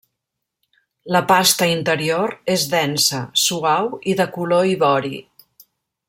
La pasta interior és densa, suau i de color ivori.